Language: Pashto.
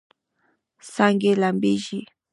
څانګې لمبیږي